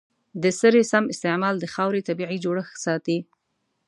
د سرې سم استعمال د خاورې طبیعي جوړښت ساتي.